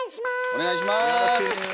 お願いします。